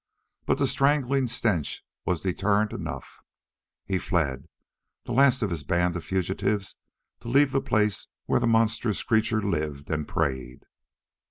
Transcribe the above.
But the strangling stench was deterrent enough. He fled, the last of his band of fugitives to leave the place where the monstrous creature lived and preyed.